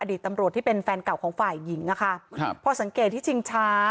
ตำรวจที่เป็นแฟนเก่าของฝ่ายหญิงอะค่ะครับพอสังเกตที่ชิงช้า